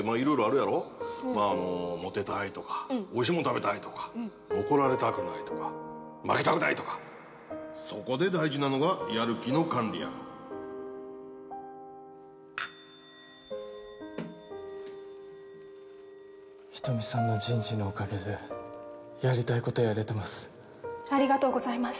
まあモテたいとかおいしいもん食べたいとか怒られたくないとか負けたくないとかそこで大事なのがやる気の管理や人見さんの人事のおかげでやりたいことありがとうございます